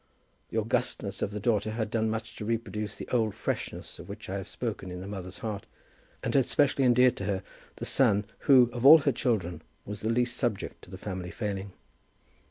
The augustness of the daughter had done much to reproduce the old freshness of which I have spoken in the mother's heart, and had specially endeared to her the son who, of all her children, was the least subject to the family failing.